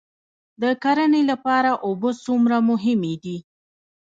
د کرنې لپاره اوبه څومره مهمې دي؟